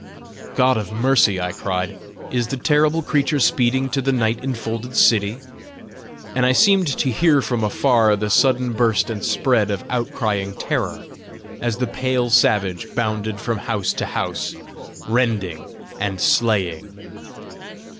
"God of mercy!" I cried, "is the terrible creature speeding to the night infolded city?" and I seemed to hear from afar the sudden burst and spread of outcrying terror, as the pale savage bounded from house to house, rending and slaying.